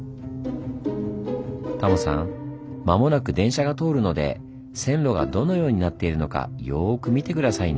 タモさん間もなく電車が通るので線路がどのようになっているのかよく見て下さいね！